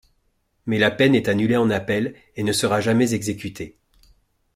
Mais la peine est annulée en appel, et ne sera jamais exécutée.